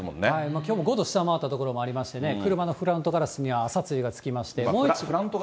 きょうも５度下回った所がありましてね、車のフラントガラスには朝露がつきまして。